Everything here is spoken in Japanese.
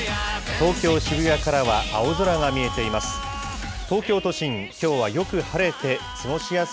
東京・渋谷からは青空が見えています。